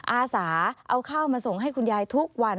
อาสาเอาข้าวมาส่งให้คุณยายทุกวัน